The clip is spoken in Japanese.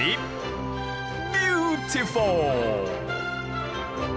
ビューティフォー！